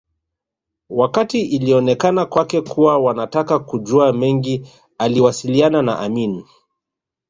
Wakati ilionekana kwake kuwa wanataka kujua mengi aliwasiliana na Amin